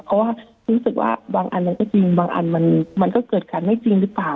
เพราะว่ารู้สึกว่าบางอันนั้นก็จริงบางอันมันก็เกิดกันไม่จริงหรือเปล่า